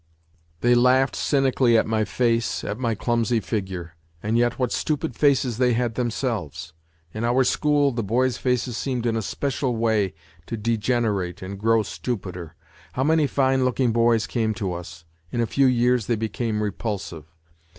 They laughed cynically at my face, at my clumsy figure ; and yet what stupid faces they had themselves. In our school the boys' faces seemed in a special way to degenerate and grow stupider. How many fine looking boys came to us ! In a few years they became repulsive.